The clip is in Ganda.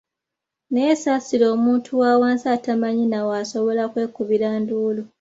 Naye saasira omuntu wa wansi atamanyi na w’asobola kwekubira nduulu!